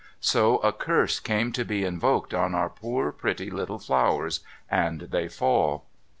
So, a curse came to be invoked on our poor pretty little flowers, and they fall."